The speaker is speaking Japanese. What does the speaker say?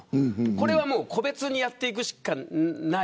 これは個別にやっていくしかない。